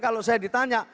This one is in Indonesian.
kalau saya ditanya